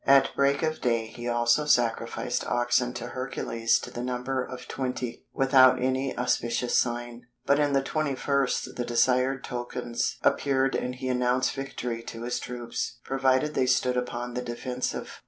At break of day he also sacrificed oxen to Hercules to the number of 20 without any auspicious sign, but in the twenty first the desired tokens appeared and he announced victory to his troops, provided they stood upon the defensive."